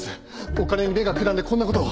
お金に目がくらんでこんな事を。